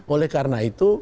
oleh karena itu